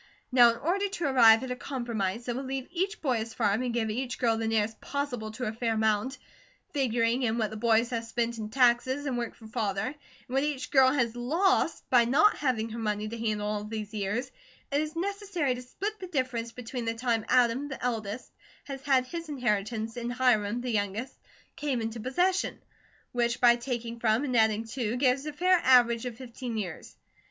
Now in order to arrive at a compromise that will leave each boy his farm, and give each girl the nearest possible to a fair amount, figuring in what the boys have spent in taxes and work for Father, and what each girl has LOST by not having her money to handle all these years, it is necessary to split the difference between the time Adam, the eldest, has had his inheritance, and Hiram, the youngest, came into possession, which by taking from and adding to, gives a fair average of fifteen years.